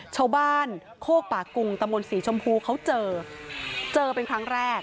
ชาวบ้านโคกป่ากุงตะมนต์ศรีชมพูเขาเจอเจอเป็นครั้งแรก